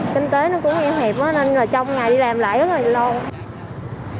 kinh tế nó cũng em hiệp nên là trong ngày đi làm lại rất là lâu